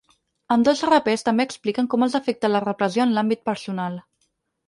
Ambdós rapers també expliquen com els afecta la repressió en l’àmbit personal.